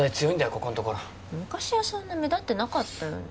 ここんところ昔はそんな目立ってなかったよね